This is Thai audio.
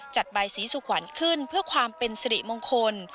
ใบสีสุขวัญขึ้นเพื่อความเป็นสิริมงคล